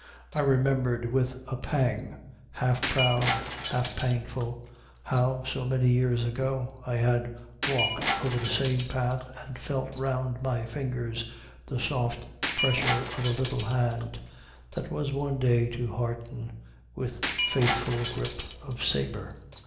I remembered with a pang, half proud, half painful, how, so many years ago, I had walked over the same path and felt round my finger the soft pressure of a little hand that was one day to harden with faithful grip of saber.